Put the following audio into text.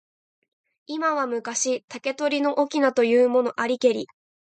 今は昔、竹取の翁というものありけり。